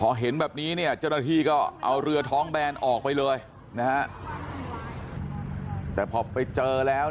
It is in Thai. โอ้โฮมมันกระโดดเลยอยู่มันกระโดดเลย